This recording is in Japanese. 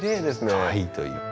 かわいいという。